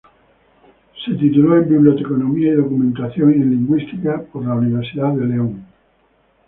Se tituló en Biblioteconomía y Documentación y en Lingüística en la Universidad de León.